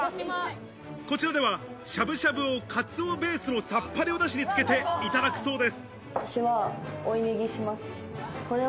こちらでは、しゃぶしゃぶを鰹ベースのさっぱりおダシにつけていただくそうです。